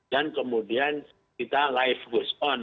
dan kemudian kita life goes on